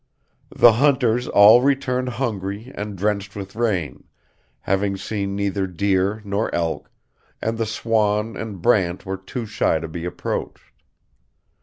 The hunters all returned hungry and drenched with rain, having seen neither deer nor elk, and the swan and brant were too shy to be approached."